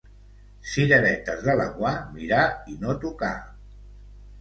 Cireretes de Laguar, mirar i no tocar.